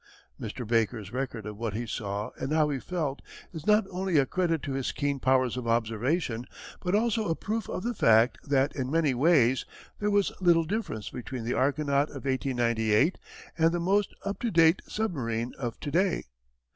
Mr. Baker's record of what he saw and how he felt is not only a credit to his keen powers of observation, but also a proof of the fact that, in many ways, there was little difference between the Argonaut of 1898 and the most up to date submarine of to day.